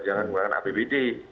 jangan menggunakan apbd